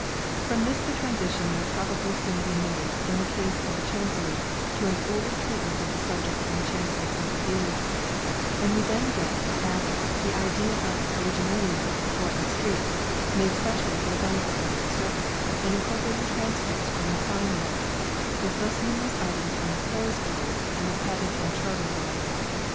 From this the transition would probably soon be made in the case of the Chancery to an ordered treatment of the subject from a Chancery point of view ; and we then get, added, the idea of Originalia or Estreats made specially for the benefit of the Exchequer, and incorporating transcripts from the Fine Rolls, with less numerous items from the Close Rolls and the Patent and Charter Rolls.